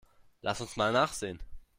Lass uns mal nachsehen.